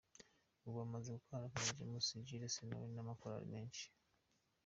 Ubu amaze gukorana na King James, Jules Sentore n’amakorali menshi.